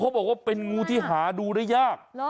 บอกว่าเป็นงูที่หาดูได้ยาก